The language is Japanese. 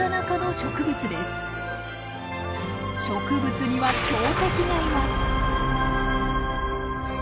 植物には強敵がいます。